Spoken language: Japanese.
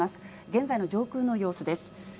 現在の上空の様子です。